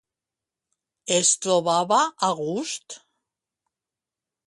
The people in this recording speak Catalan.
Es trobava a gust?